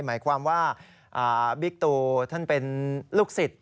หมายความว่าบิ๊กตูท่านเป็นลูกศิษย์